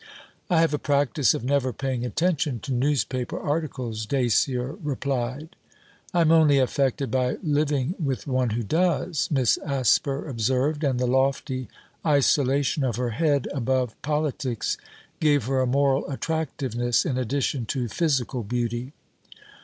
'I have a practice of never paying attention to newspaper articles,' Dacier replied. 'I am only affected by living with one who does,' Miss Asper observed, and the lofty isolation of her head above politics gave her a moral attractiveness in addition to physical beauty.